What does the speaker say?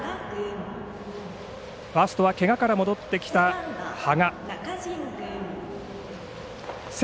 ファーストはけがから戻ってきた垪和。